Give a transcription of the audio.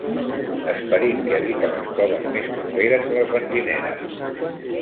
Esperit que habita les coves més properes a les benzineres.